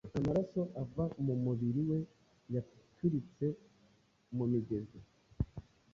Amaraso ava mumubiri we yaturitse mumigezi